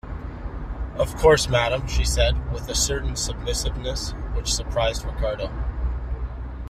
"Of course, madame," she said, with a certain submissiveness which surprised Ricardo.